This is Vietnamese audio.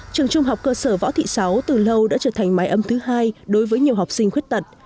trường trung học cơ sở võ thị sáu từ lâu đã trở thành mái ấm thứ hai đối với nhiều học sinh khuyết tật